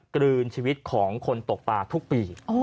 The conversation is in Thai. กลืนชีวิตของคนตกปลาทุกปี